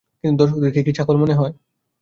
কিন্তু দর্শকদেরকে কি ছাগল মনে হয়?